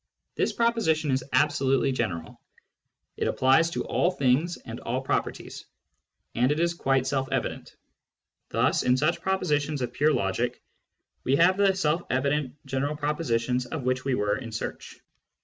This proposition is absolutely "j general : it applies to all things and all properties. And ' it is quite self evident. Thus in such propositions of .\ pure logic we have the self evident general propositions of which we were in search.